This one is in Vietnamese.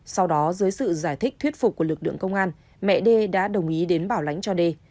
sau đó dưới sự giải thích thuyết phục của lực lượng công an mẹ đê đã đồng ý đến bảo lãnh cho đê